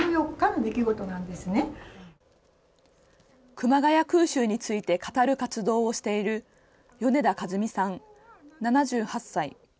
熊谷空襲について語る活動をしている米田主美さん７８歳。